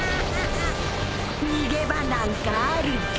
逃げ場なんかあるか。